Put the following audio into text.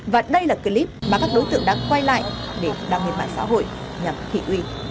và đây là clip mà các đối tượng đã quay lại để đăng lên mạng xã hội nhằm thị uy